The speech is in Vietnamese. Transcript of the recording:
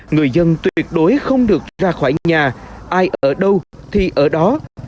người dân tuyệt đối không được ra khỏi nhà ai ở đâu thì ở đó